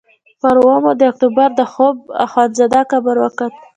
پر اوومه د اکتوبر د حبو اخندزاده قبر وکت.